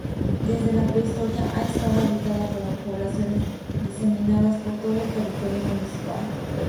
Desde la Prehistoria ha estado habitada por poblaciones diseminadas por todo el territorio municipal.